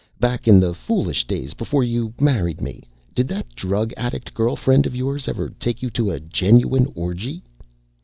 Back in the foolish days before you married me, did that drug addict girl friend of yours ever take you to a genuine orgy?"